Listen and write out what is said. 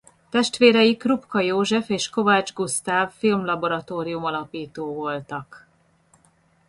Testvérei Krupka József és Kovács Gusztáv filmlaboratórium-alapító voltak.